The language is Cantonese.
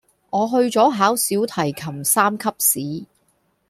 我去咗考小提琴三級試